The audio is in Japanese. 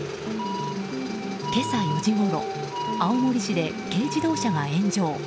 今朝４時ごろ青森市で軽自動車が炎上。